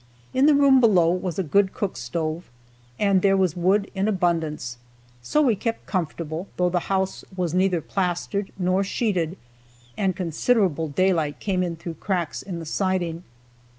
In the room below was a good cook stove, and there was wood in abundance, so we kept comfortable, though the house was neither plastered nor sheeted, and considerable daylight came in through cracks in the siding.